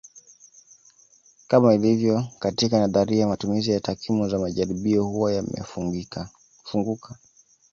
Kama ilivyo katika nadharia matumizi ya takwimu za majaribio huwa yamefunguka